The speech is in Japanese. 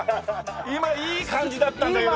今いい感じだったんだけどね。